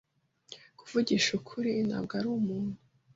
Kuvugisha ukuri, ntabwo ari umuntu.